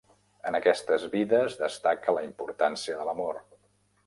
En aquestes vides destaca la importància de l'amor.